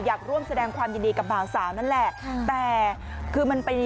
อยากร่วมแสดงความยินดีกับสาวนั้นแหละแต่คือมันเป็น